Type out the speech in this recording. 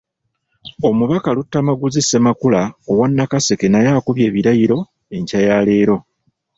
Omubaka Luttamaguzi Ssemakula owa Nakaseke naye akubye ebirayiro enkya ya leero.